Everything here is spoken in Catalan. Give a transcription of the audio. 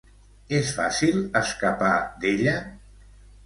És fàcil escapar d'ella?